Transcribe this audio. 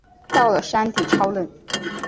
到了山顶超冷